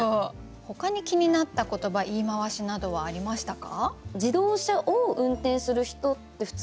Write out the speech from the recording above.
ほかに気になった言葉言い回しなどはありましたか？